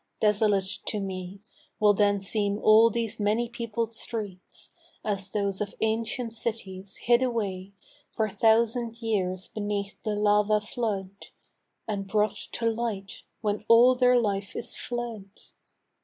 desolate to me Will then seem all these many peopled streets As those of ancient cities, hid away For thousand years beneath the lava flood, And brought to light when all their life is fled